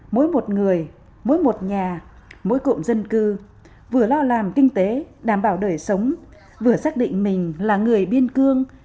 mỗi một người mỗi một nhà mỗi cụm dân cư vừa lo làm kinh tế đảm bảo đời sống vừa xác định mình là người biên cương